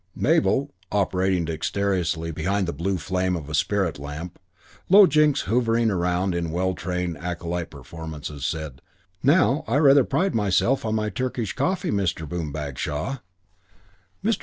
Mabel, operating dexterously behind the blue flame of a spirit lamp, Low Jinks hovering around in well trained acolyte performances, said, "Now I rather pride myself on my Turkish coffee, Mr. Boom Bagshaw." Mr.